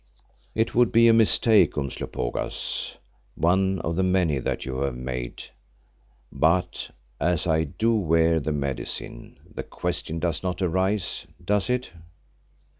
"It would be a mistake, Umslopogaas, one of the many that you have made. But as I do wear the Medicine, the question does not arise, does it?"